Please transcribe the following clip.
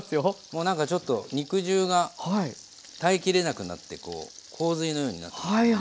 もう何かちょっと肉汁が耐え切れなくなって洪水のようになってますね。